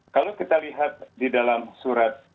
kalau kita lihat di dalam surat